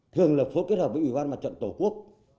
thường là phối kết hợp với ủy ban mặt trận tổ quốc